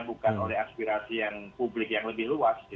bukan oleh aspirasi yang publik yang lebih luas